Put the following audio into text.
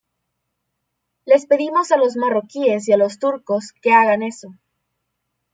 Les pedimos a los marroquíes y a los turcos que hagan eso.